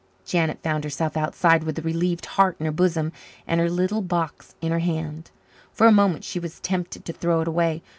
Janet found herself outside with a relieved heart in her bosom and her little box in her hand. For a moment she was tempted to throw it away.